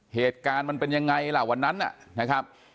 เหตุการณ์มันเป็นยังไงล่ะวันนั้นนะครับ